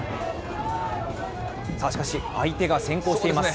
しかし、相手が先行しています。